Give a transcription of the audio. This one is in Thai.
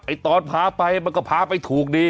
ตอนพาไปมันก็พาไปถูกดี